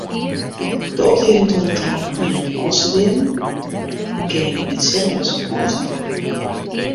De oplieding duorret trije jier, ôfstudearren kinne yn it sirkus oan it wurk.